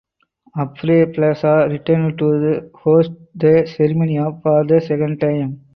Aubrey Plaza returned to host the ceremony for the second time.